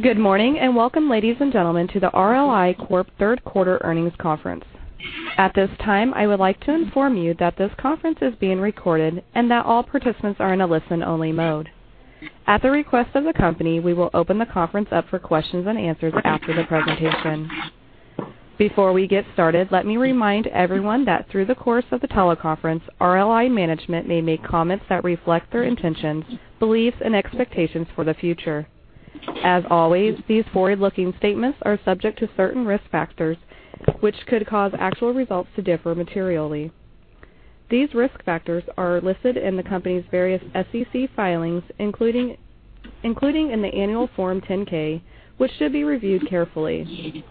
Good morning. Welcome, ladies and gentlemen, to the RLI Corp. third quarter earnings conference. At this time, I would like to inform you that this conference is being recorded and that all participants are in a listen-only mode. At the request of the company, we will open the conference up for questions and answers after the presentation. Before we get started, let me remind everyone that through the course of the teleconference, RLI management may make comments that reflect their intentions, beliefs, and expectations for the future. As always, these forward-looking statements are subject to certain risk factors, which could cause actual results to differ materially. These risk factors are listed in the company's various SEC filings, including in the annual Form 10-K, which should be reviewed carefully.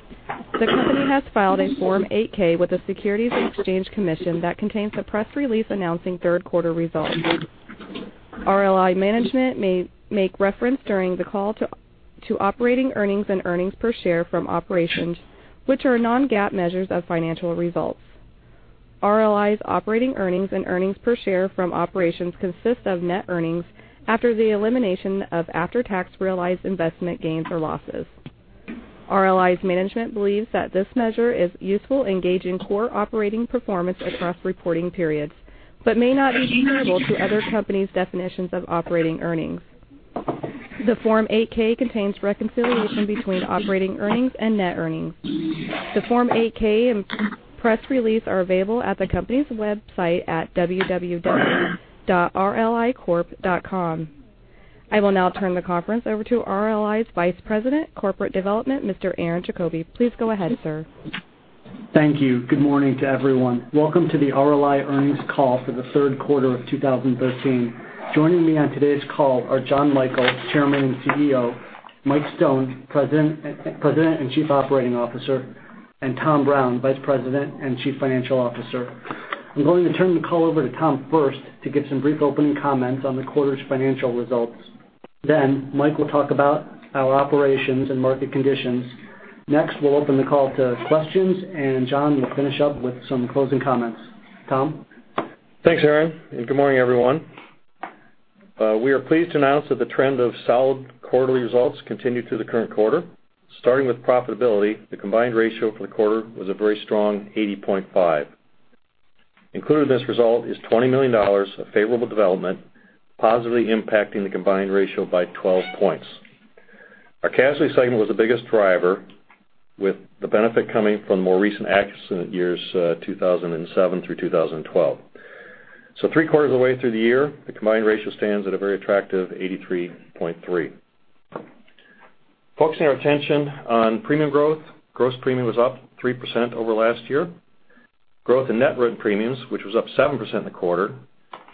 The company has filed a Form 8-K with the Securities and Exchange Commission that contains a press release announcing third quarter results. RLI management may make reference during the call to operating earnings and earnings per share from operations, which are non-GAAP measures of financial results. RLI's operating earnings and earnings per share from operations consist of net earnings after the elimination of after-tax realized investment gains or losses. RLI's management believes that this measure is useful in gauging core operating performance across reporting periods but may not be comparable to other companies' definitions of operating earnings. The Form 8-K contains reconciliation between operating earnings and net earnings. The Form 8-K and press release are available at the company's website at www.rlicorp.com. I will now turn the conference over to RLI's Vice President, Corporate Development, Mr. Aaron Diefenthaler. Please go ahead, sir. Thank you. Good morning to everyone. Welcome to the RLI earnings call for the third quarter of 2013. Joining me on today's call are John Michel, Chairman and CEO; Mike Stone, President and Chief Operating Officer; and Tom Brown, Vice President and Chief Financial Officer. I'm going to turn the call over to Tom first to give some brief opening comments on the quarter's financial results. Mike will talk about our operations and market conditions. We'll open the call to questions. John will finish up with some closing comments. Tom? Thanks, Aaron. Good morning, everyone. We are pleased to announce that the trend of solid quarterly results continued through the current quarter. Starting with profitability, the combined ratio for the quarter was a very strong 80.5. Included in this result is $20 million of favorable development, positively impacting the combined ratio by 12 points. Our casualty segment was the biggest driver, with the benefit coming from more recent accident years 2007 through 2012. Three-quarters of the way through the year, the combined ratio stands at a very attractive 83.3. Focusing our attention on premium growth, gross premium was up 3% over last year. Growth in net written premiums, which was up 7% in the quarter,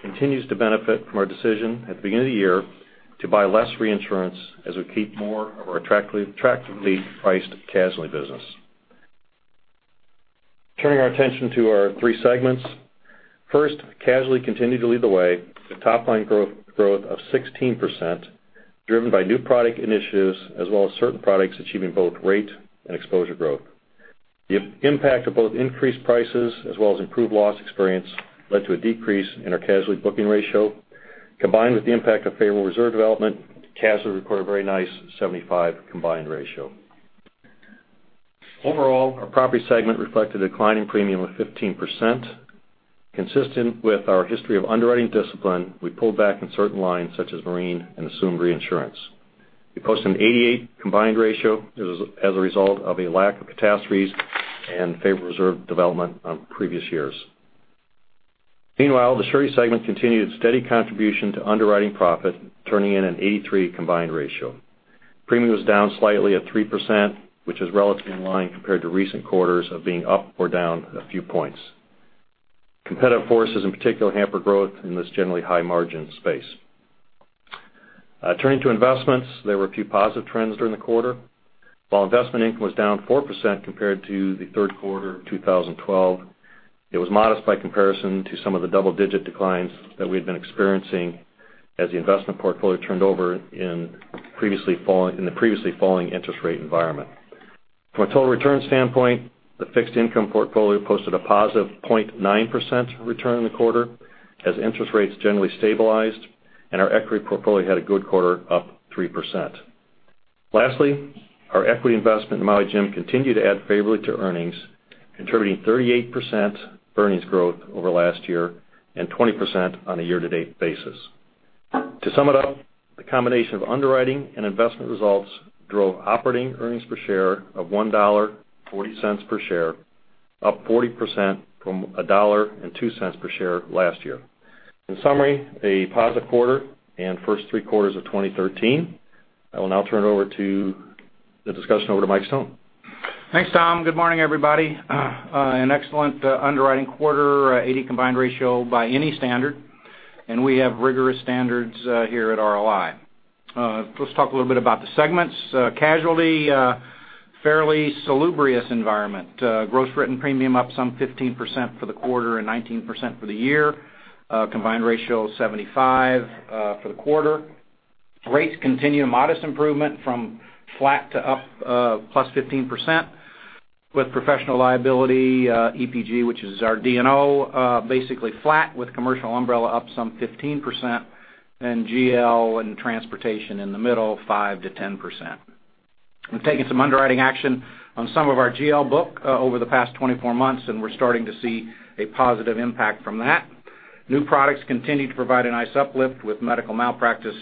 continues to benefit from our decision at the beginning of the year to buy less reinsurance as we keep more of our attractively priced casualty business. Turning our attention to our three segments. First, casualty continued to lead the way, with top line growth of 16%, driven by new product initiatives, as well as certain products achieving both rate and exposure growth. The impact of both increased prices as well as improved loss experience led to a decrease in our casualty booking ratio. Combined with the impact of favorable reserve development, casualty reported a very nice 75 combined ratio. Overall, our property segment reflected a decline in premium of 15%. Consistent with our history of underwriting discipline, we pulled back on certain lines such as marine and assumed reinsurance. We posted an 88 combined ratio as a result of a lack of catastrophes and favorable reserve development on previous years. Meanwhile, the surety segment continued its steady contribution to underwriting profit, turning in an 83 combined ratio. Premium was down slightly at 3%, which is relatively in line compared to recent quarters of being up or down a few points. Competitive forces in particular hampered growth in this generally high-margin space. Turning to investments, there were a few positive trends during the quarter. While investment income was down 4% compared to the third quarter of 2012, it was modest by comparison to some of the double-digit declines that we had been experiencing as the investment portfolio turned over in the previously falling interest rate environment. From a total return standpoint, the fixed income portfolio posted a positive 0.9% return in the quarter as interest rates generally stabilized, and our equity portfolio had a good quarter, up 3%. Lastly, our equity investment in Maui Jim continued to add favorably to earnings, contributing 38% earnings growth over last year and 20% on a year-to-date basis. To sum it up, the combination of underwriting and investment results drove operating earnings per share of $1.40 per share, up 40% from $1.02 per share last year. In summary, a positive quarter and first three quarters of 2013. I will now turn the discussion over to Michael Stone. Thanks, Tom. Good morning, everybody. An excellent underwriting quarter, 80 combined ratio by any standard, and we have rigorous standards here at RLI. Let's talk a little bit about the segments. Casualty, fairly salubrious environment. Gross written premium up some 15% for the quarter and 19% for the year. Combined ratio 75 for the quarter. Rates continue a modest improvement from flat to up +15%. With professional liability, EPLI, which is our D&O, basically flat with commercial umbrella up some 15%, GL and transportation in the middle, 5% to 10%. We've taken some underwriting action on some of our GL book over the past 24 months, and we're starting to see a positive impact from that. New products continue to provide a nice uplift with medical malpractice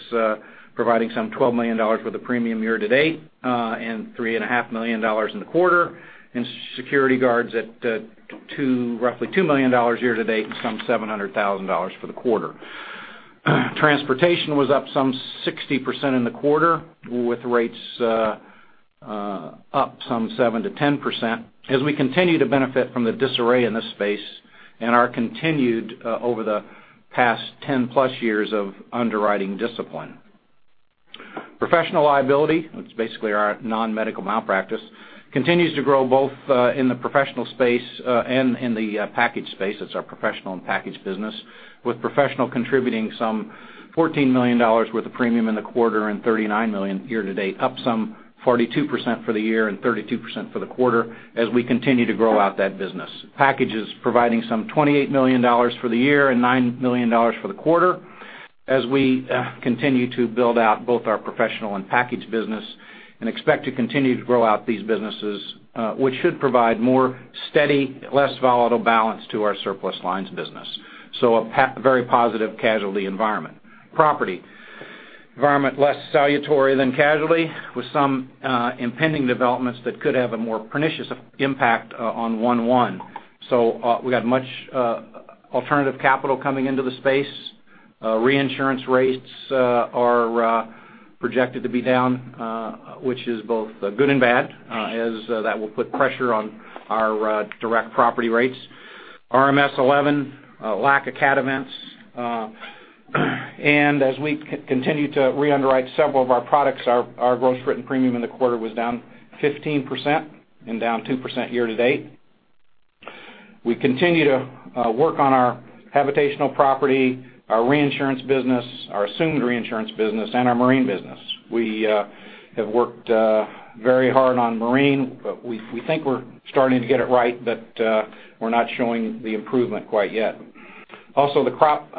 providing some $12 million worth of premium year to date, $3.5 million in the quarter, and security guards at roughly $2 million year to date and some $700,000 for the quarter. Transportation was up some 60% in the quarter, with rates up some 7% to 10% as we continue to benefit from the disarray in this space and our continued over the past 10 plus years of underwriting discipline. Professional liability, that's basically our non-medical malpractice, continues to grow both in the professional space and in the package space. That's our professional and package business, with professional contributing some $14 million worth of premium in the quarter and $39 million year to date, up some 42% for the year and 32% for the quarter as we continue to grow out that business. Package is providing some $28 million for the year and $9 million for the quarter as we continue to build out both our professional and package business and expect to continue to grow out these businesses, which should provide more steady, less volatile balance to our surplus lines business. A very positive casualty environment. Property. Environment less salutary than casualty, with some impending developments that could have a more pernicious impact on 1/1. We got much alternative capital coming into the space. Reinsurance rates are projected to be down, which is both good and bad, as that will put pressure on our direct property rates. RMS v11, lack of cat events. As we continue to re-underwrite several of our products, our gross written premium in the quarter was down 15% and down 2% year to date. We continue to work on our habitational property, our reinsurance business, our assumed reinsurance business, and our marine business. We have worked very hard on marine. We think we're starting to get it right, but we're not showing the improvement quite yet. Also, the crop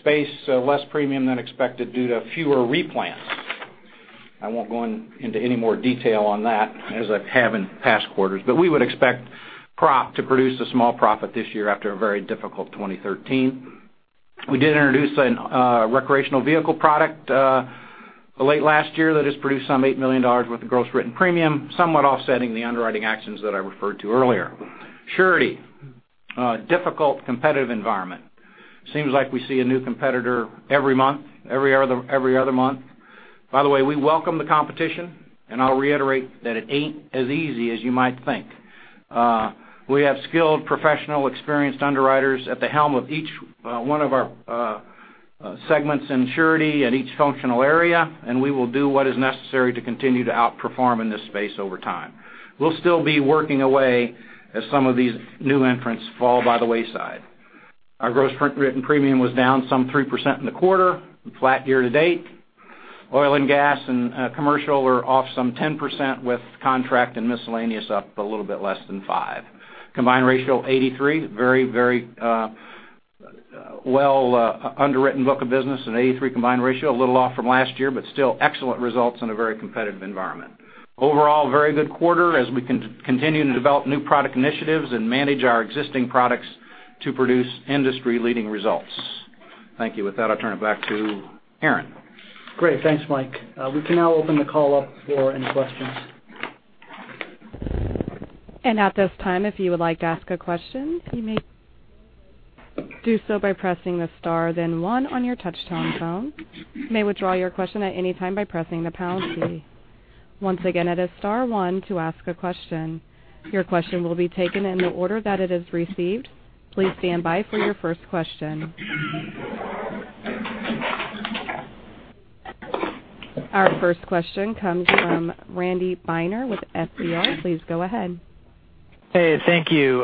space, less premium than expected due to fewer replants. I won't go into any more detail on that as I have in past quarters, but we would expect crop to produce a small profit this year after a very difficult 2013. We did introduce a recreational vehicle product late last year that has produced some $8 million worth of gross written premium, somewhat offsetting the underwriting actions that I referred to earlier. Surety. Difficult competitive environment. Seems like we see a new competitor every month, every other month. By the way, we welcome the competition, and I'll reiterate that it ain't as easy as you might think. We have skilled, professional, experienced underwriters at the helm of each one of our segments in surety at each functional area, and we will do what is necessary to continue to outperform in this space over time. We'll still be working away as some of these new entrants fall by the wayside. Our gross written premium was down some 3% in the quarter and flat year to date. Oil and gas and commercial are off some 10% with contract and miscellaneous up a little bit less than 5%. Combined ratio 83, very well underwritten book of business, an 83 combined ratio, a little off from last year, but still excellent results in a very competitive environment. Overall, very good quarter as we continue to develop new product initiatives and manage our existing products to produce industry leading results. Thank you. With that, I'll turn it back to Aaron. Great. Thanks, Mike. We can now open the call up for any questions. At this time, if you would like to ask a question, you may do so by pressing the star then one on your touchtone phone. You may withdraw your question at any time by pressing the pound key. Once again, it is star one to ask a question. Your question will be taken in the order that it is received. Please stand by for your first question. Our first question comes from Randy Binner with FBR. Please go ahead. Hey, thank you.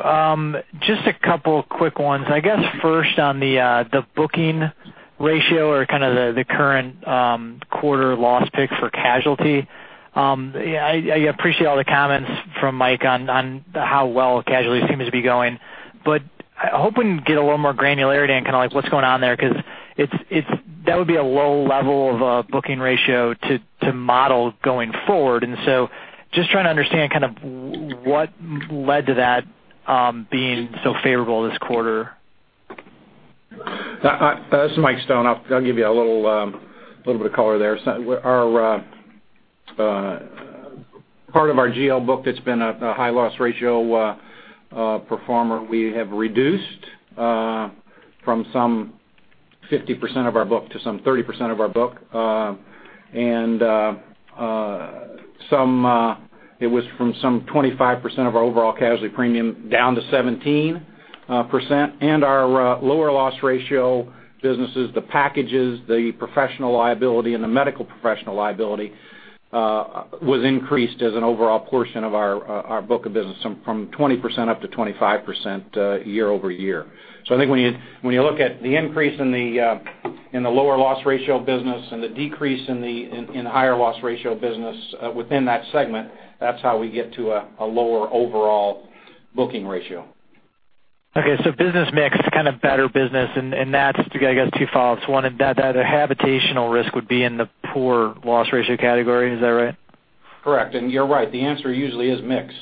Just a couple quick ones. I guess first on the booking ratio or kind of the current quarter loss pick for casualty. I appreciate all the comments from Mike on how well casualty seems to be going, but I hope we can get a little more granularity on kind of like what's going on there, because that would be a low level of a booking ratio to model going forward. Just trying to understand kind of what led to that being so favorable this quarter. This is Michael Stone. I'll give you a little bit of color there. Part of our GL book that's been a high loss ratio performer, we have reduced from some 50% of our book to some 30% of our book. It was from some 25% of our overall casualty premium down to 17%. Our lower loss ratio businesses, the packages, the professional liability, and the medical professional liability was increased as an overall portion of our book of business from 20% up to 25% year-over-year. I think when you look at the increase in the lower loss ratio business and the decrease in the higher loss ratio business within that segment, that's how we get to a lower overall booking ratio. Business mix, kind of better business, and that's, I guess, two folds. One, that habitational risk would be in the poor loss ratio category. Is that right? Correct. You're right, the answer usually is mix.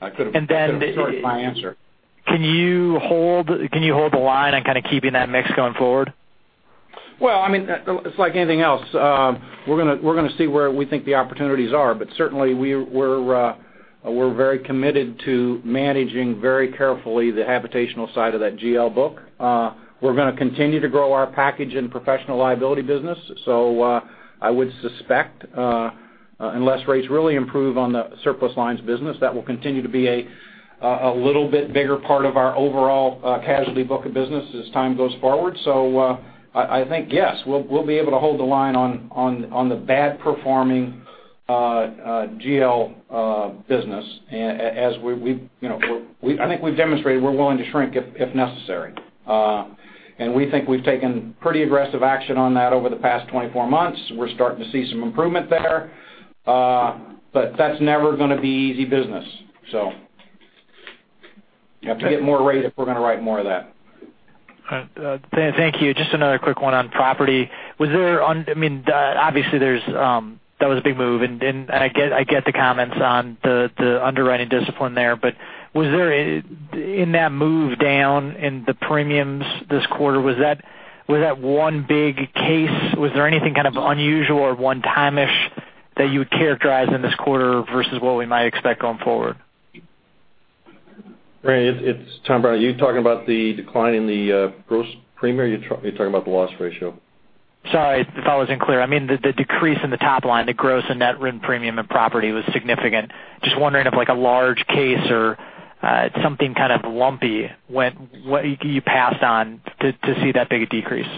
And then- shortened my answer. Can you hold the line on kind of keeping that mix going forward? Well, it's like anything else. We're going to see where we think the opportunities are. Certainly, we're very committed to managing, very carefully, the habitational side of that GL book. We're going to continue to grow our package and professional liability business. I would suspect, unless rates really improve on the surplus lines business, that will continue to be a little bit bigger part of our overall casualty book of business as time goes forward. I think, yes, we'll be able to hold the line on the bad performing GL business. I think we've demonstrated we're willing to shrink if necessary. We think we've taken pretty aggressive action on that over the past 24 months. We're starting to see some improvement there. That's never going to be easy business, so. You have to get more rate if we're going to write more of that. All right. Thank you. Just another quick one on property. Obviously, that was a big move, and I get the comments on the underwriting discipline there. In that move down in the premiums this quarter, was that one big case? Was there anything kind of unusual or one-timish that you would characterize in this quarter versus what we might expect going forward? Randy, it's Tom Brown. Are you talking about the decline in the gross premium or you're talking about the loss ratio? Sorry if I wasn't clear. I mean, the decrease in the top line, the gross and net written premium and property was significant. Just wondering if like a large case or something kind of lumpy you passed on to see that big a decrease.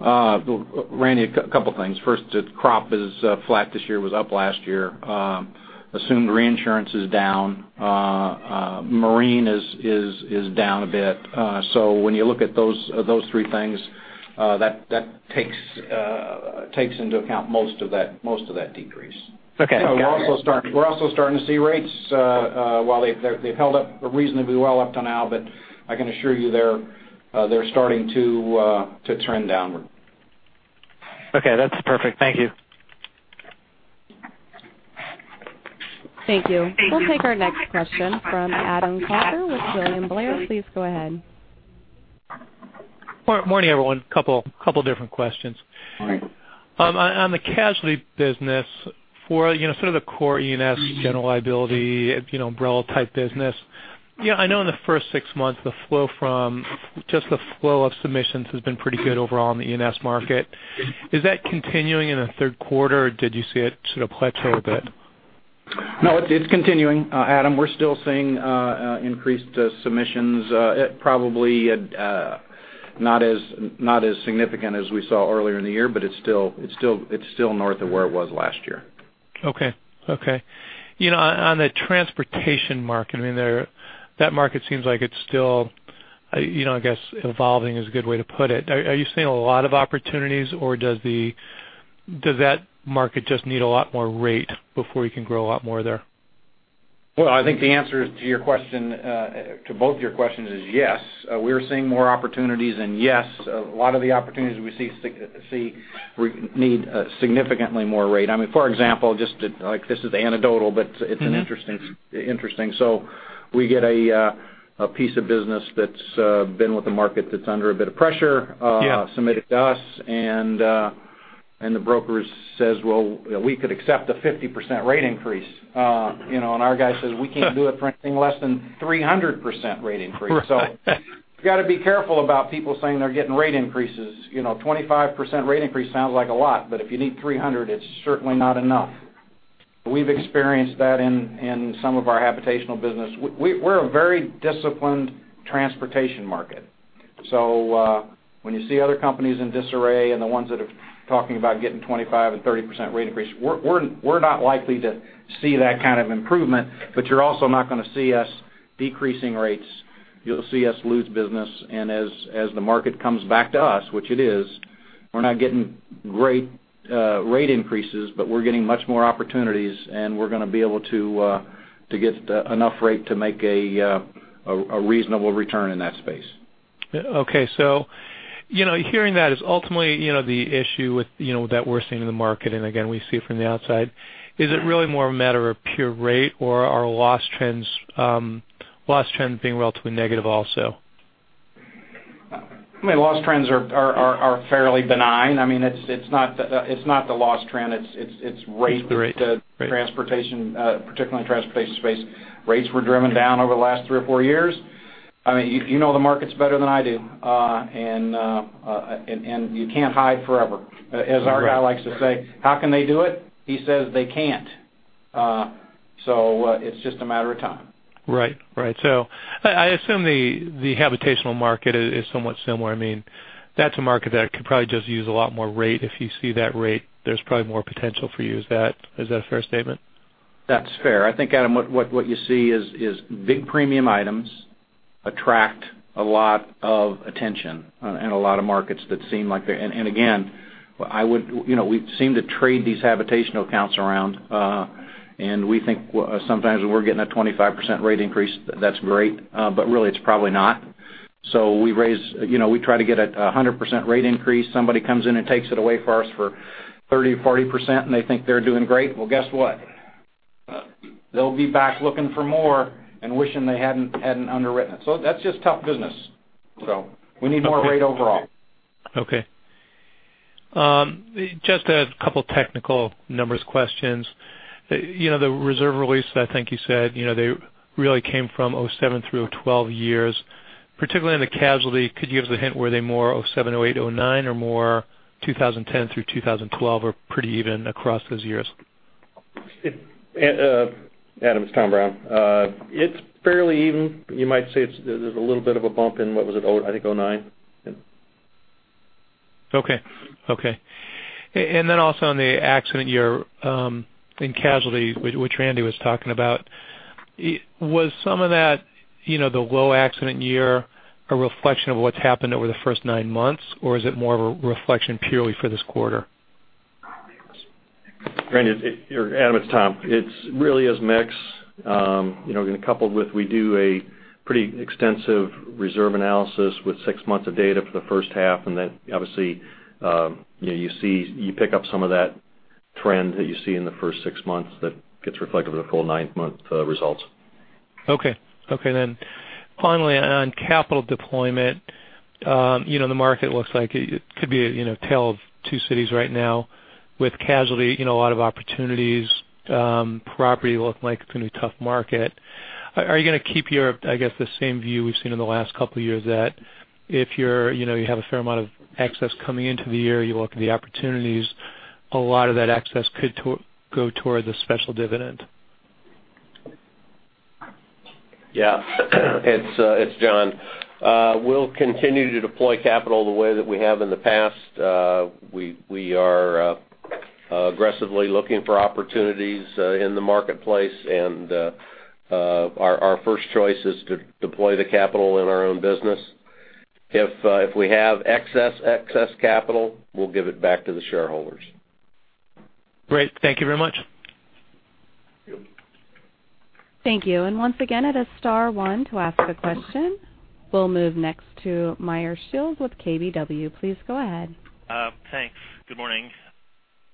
Randy, a couple of things. First, crop is flat this year, was up last year. Assumed reinsurance is down. Marine is down a bit. When you look at those three things, that takes into account most of that decrease. Okay. Got it. We're also starting to see rates, while they've held up reasonably well up to now, I can assure you they're starting to trend downward. Okay. That's perfect. Thank you. Thank you. We'll take our next question from Adam Klauber with William Blair. Please go ahead. Morning, everyone. Couple different questions. All right. On the casualty business for sort of the core E&S general liability, umbrella type business, I know in the first six months, just the flow of submissions has been pretty good overall in the E&S market. Is that continuing in the third quarter or did you see it sort of plateau a bit? It's continuing, Adam. We're still seeing increased submissions. Probably not as significant as we saw earlier in the year, but it's still north of where it was last year. On the transportation market, that market seems like it's still, I guess evolving is a good way to put it. Are you seeing a lot of opportunities or does that market just need a lot more rate before you can grow a lot more there? Well, I think the answer to both of your questions is yes. We're seeing more opportunities and yes, a lot of the opportunities we see need significantly more rate. For example, this is anecdotal, but it's interesting. We get a piece of business that's been with the market that's under a bit of pressure. Yeah It was submitted to us. The broker says, "Well, we could accept a 50% rate increase." Our guy says, "We can't do it for anything less than 300% rate increase. Right. You got to be careful about people saying they're getting rate increases. 25% rate increase sounds like a lot, but if you need 300%, it's certainly not enough. We've experienced that in some of our habitational business. We're a very disciplined transportation market. When you see other companies in disarray and the ones that are talking about getting 25% and 30% rate increase, we're not likely to see that kind of improvement, but you're also not going to see us decreasing rates. You'll see us lose business and as the market comes back to us, which it is, we're not getting great rate increases, but we're getting much more opportunities and we're going to be able to get enough rate to make a reasonable return in that space. Okay. Hearing that is ultimately the issue that we're seeing in the market. Again, we see it from the outside. Is it really more a matter of pure rate or are loss trends being relatively negative also? Loss trends are fairly benign. It's not the loss trend, it's rate- It's the rate particularly in the transportation space. Rates were driven down over the last three or four years. You know the markets better than I do. You can't hide forever. As our guy likes to say, "How can they do it?" He says, "They can't." It's just a matter of time. Right. I assume the habitational market is somewhat similar. That's a market that could probably just use a lot more rate. If you see that rate, there's probably more potential for you. Is that a fair statement? That's fair. I think, Adam, what you see is big premium items attract a lot of attention in a lot of markets that seem like they're. And again, we seem to trade these habitational accounts around, and we think sometimes when we're getting a 25% rate increase, that's great. Really, it's probably not. We try to get a 100% rate increase. Somebody comes in and takes it away from us for 30% or 40%, and they think they're doing great. Well, guess what? They'll be back looking for more and wishing they hadn't underwritten it. That's just tough business. We need more rate overall. Okay. Just a couple of technical numbers questions. The reserve release, I think you said, they really came from 2007 through 2012 years, particularly in the casualty. Could you give us a hint, were they more 2007, 2008, 2009, or more 2010 through 2012, or pretty even across those years? Adam, it's Tom Brown. It's fairly even. You might say there's a little bit of a bump in, what was it? I think 2009. Okay. Also on the accident year in casualty, which Randy was talking about, was some of that, the low accident year, a reflection of what's happened over the first nine months, or is it more of a reflection purely for this quarter? Randy, Adam, it's Tom. It really is mixed. Again, coupled with we do a pretty extensive reserve analysis with six months of data for the first half, and then obviously, you pick up some of that trend that you see in the first six months that gets reflected in the full ninth-month results. Okay. Finally, on capital deployment, the market looks like it could be a tale of two cities right now with casualty, a lot of opportunities. Property looks like it's going to be a tough market. Are you going to keep your, I guess, the same view we've seen in the last couple of years that if you have a fair amount of excess coming into the year, you look at the opportunities, a lot of that excess could go toward the special dividend? Yeah. It's John. We'll continue to deploy capital the way that we have in the past. We are aggressively looking for opportunities in the marketplace, and our first choice is to deploy the capital in our own business. If we have excess capital, we'll give it back to the shareholders. Great. Thank you very much. Thank you. Once again, it is star one to ask a question. We'll move next to Meyer Shields with KBW. Please go ahead. Thanks. Good morning. Good morning.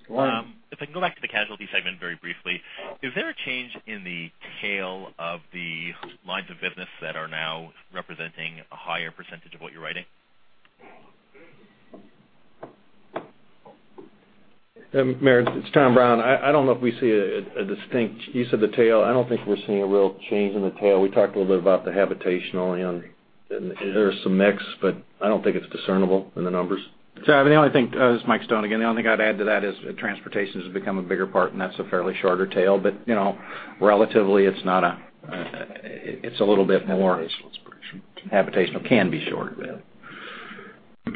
If I can go back to the casualty segment very briefly. Is there a change in the tail of the lines of business that are now representing a higher % of what you're writing? Meyer, it's Tom Brown. I don't know if we see a distinct use of the tail. I don't think we're seeing a real change in the tail. We talked a little bit about the habitation only on, there's some mix, but I don't think it's discernible in the numbers. The only thing, this is Michael Stone again. The only thing I'd add to that is transportation has become a bigger part, and that's a fairly shorter tail. Habitation's pretty short. Habitational can be short, yeah.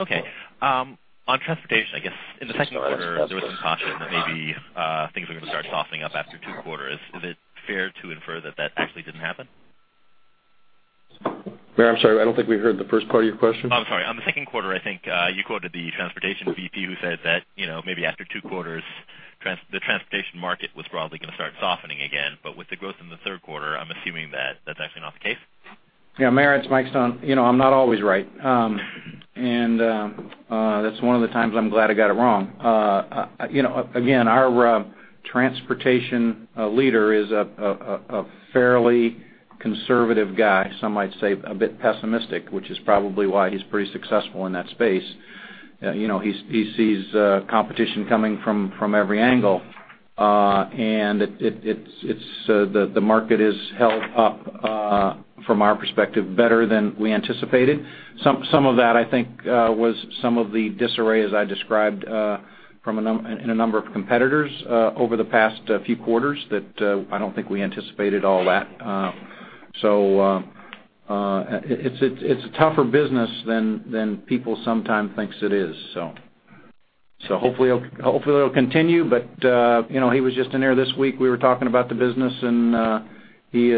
Okay. On transportation, I guess in the second quarter, there was some caution that maybe things were going to start softening up after two quarters. Is it fair to infer that that actually didn't happen? Meyer, I'm sorry, I don't think we heard the first part of your question. Oh, I'm sorry. On the second quarter, I think you quoted the transportation VP who said that maybe after two quarters, the transportation market was probably going to start softening again. With the growth in the third quarter, I'm assuming that that's actually not the case. Yeah, Meyer, it's Michael Stone. I'm not always right. That's one of the times I'm glad I got it wrong. Again, our transportation leader is a fairly conservative guy, some might say a bit pessimistic, which is probably why he's pretty successful in that space. He sees competition coming from every angle. The market is held up, from our perspective, better than we anticipated. Some of that, I think, was some of the disarray, as I described, in a number of competitors over the past few quarters that I don't think we anticipated all that. It's a tougher business than people sometimes think it is. Hopefully it'll continue, but he was just in here this week. We were talking about the business, and he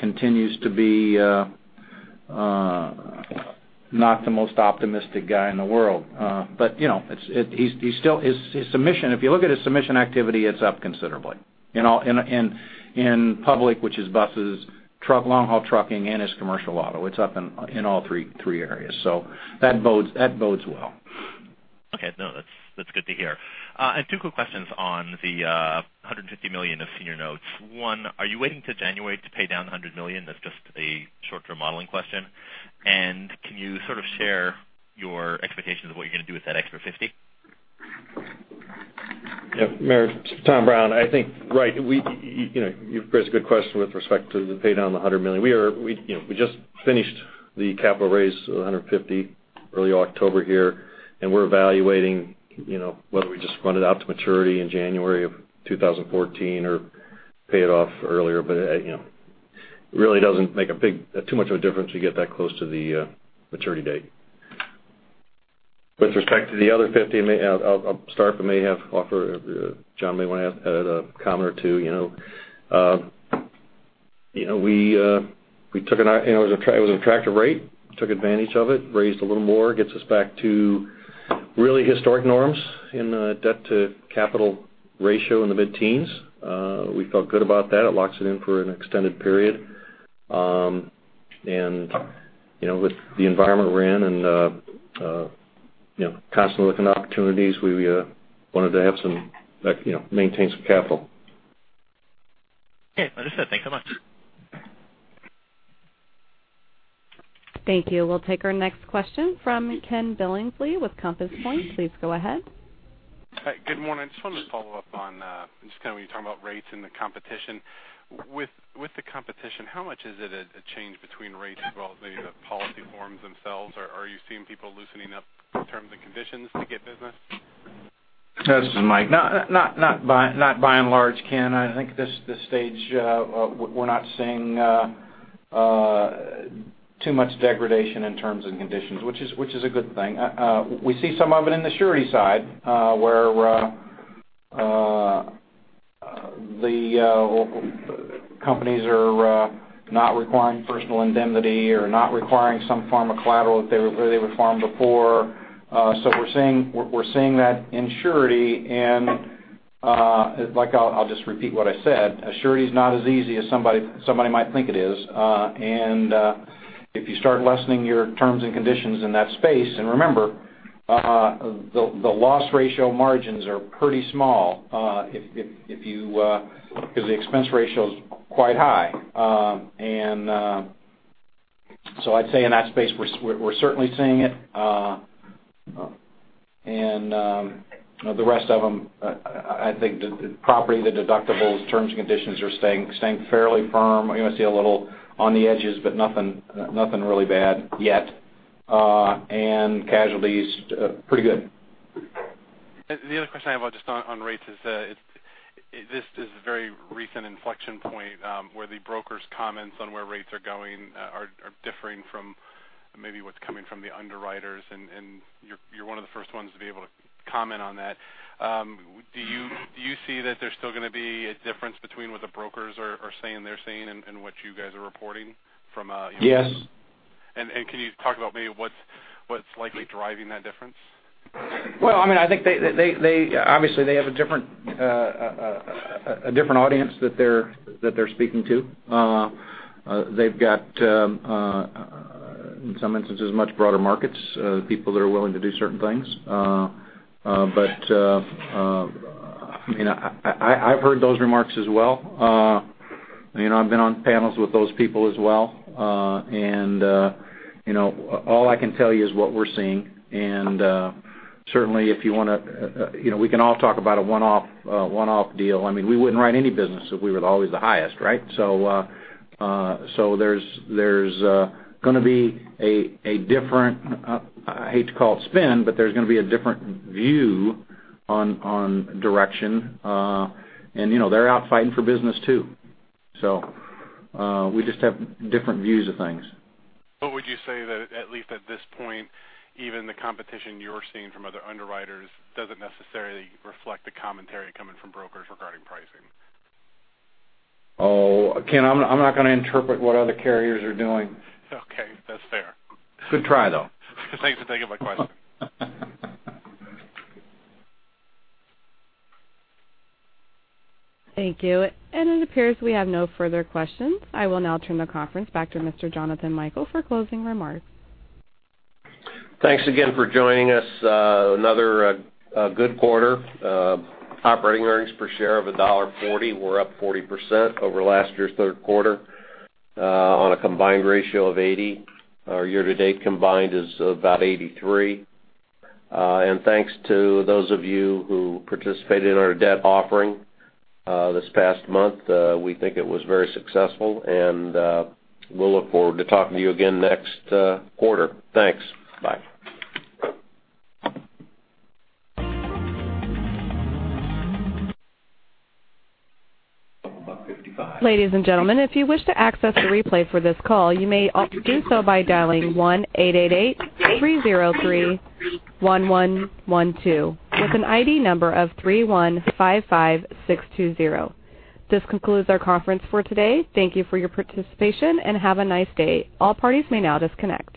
continues to be not the most optimistic guy in the world. His submission, if you look at his submission activity, it's up considerably. In public, which is buses, long-haul trucking, and his commercial auto. It's up in all three areas. That bodes well. Okay. No, that's good to hear. I have two quick questions on the $150 million of senior notes. One, are you waiting till January to pay down the $100 million? That's just a short-term modeling question. Can you sort of share your expectations of what you're going to do with that extra $50? Yeah, Meyer, Tom Brown. I think, right, you've raised a good question with respect to the pay down of the $100 million. We just finished the capital raise of $150 early October here, and we're evaluating whether we just run it out to maturity in January of 2014 or pay it off earlier. It really doesn't make too much of a difference. We get that close to the maturity date. With respect to the other $50, I'll start, John may want to add a comment or two. It was an attractive rate. Took advantage of it, raised a little more, gets us back to really historic norms in the debt to capital ratio in the mid-teens. We felt good about that. It locks it in for an extended period. With the environment we're in and constantly looking at opportunities, we wanted to maintain some capital. Okay, understood. Thanks so much. Thank you. We'll take our next question from Ken Billingsley with Compass Point. Please go ahead. Hi, good morning. I just wanted to follow up on, just when you talk about rates and the competition. With the competition, how much is it a change between rates as well as maybe the policy forms themselves? Are you seeing people loosening up terms and conditions to get business? This is Mike. Not by and large, Ken. I think this stage, we're not seeing too much degradation in terms and conditions, which is a good thing. We're seeing that in surety and, I'll just repeat what I said, a surety is not as easy as somebody might think it is. If you start lessening your terms and conditions in that space, and remember, the loss ratio margins are pretty small because the expense ratio is quite high. I'd say in that space, we're certainly seeing it. The rest of them, I think the property, the deductibles, terms and conditions are staying fairly firm. You're going to see a little on the edges, but nothing really bad yet. Casualties, pretty good. The other question I have just on rates is, this is a very recent inflection point, where the brokers' comments on where rates are going are differing from maybe what's coming from the underwriters, and you're one of the first ones to be able to comment on that. Do you see that there's still going to be a difference between what the brokers are saying they're seeing and what you guys are reporting from a Yes. Can you talk about maybe what's likely driving that difference? Well, I think, obviously they have a different audience that they're speaking to. They've got, in some instances, much broader markets, people that are willing to do certain things. I've heard those remarks as well. I've been on panels with those people as well. All I can tell you is what we're seeing. Certainly, we can all talk about a one-off deal. We wouldn't write any business if we were always the highest, right? There's going to be a different, I hate to call it spin, but there's going to be a different view on direction. They're out fighting for business too. We just have different views of things. Would you say that, at least at this point, even the competition you're seeing from other underwriters doesn't necessarily reflect the commentary coming from brokers regarding pricing? Ken, I'm not going to interpret what other carriers are doing. Okay. That's fair. Good try, though. Thanks for taking my question. Thank you. It appears we have no further questions. I will now turn the conference back to Mr. Jonathan Michael for closing remarks. Thanks again for joining us. Another good quarter. Operating earnings per share of $1.40. We're up 40% over last year's third quarter on a combined ratio of 80%. Our year-to-date combined is about 83%. Thanks to those of you who participated in our debt offering this past month. We think it was very successful, and we'll look forward to talking to you again next quarter. Thanks. Bye. Ladies and gentlemen, if you wish to access the replay for this call, you may do so by dialing 1-888-303-1112, with an ID number of 3155620. This concludes our conference for today. Thank you for your participation, and have a nice day. All parties may now disconnect.